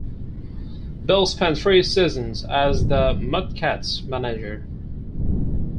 Bell spent three seasons as the Mudcats manager.